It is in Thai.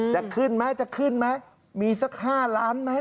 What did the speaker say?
จะขึ้นไหมจะขึ้นไหมมีสัก๕ล้านไหม